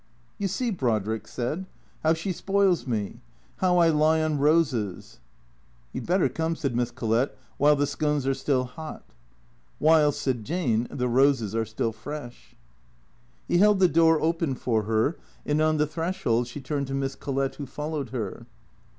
"You see," Brodrick said, "how she spoils me, how T lie on roses." " You 'd better come," said Miss Collett, " while the scones are still hot." " WHiile," said Jane, " the roses are still fresh." He held the door open for her, and on the threshold she turned to Miss Collett who followed her.